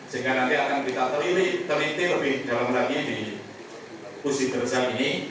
sehingga nanti akan kita teriti lebih dalam lagi di pusat hidrosal ini